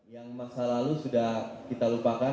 yang masa lalu sudah kita lupakan